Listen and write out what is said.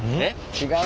違う？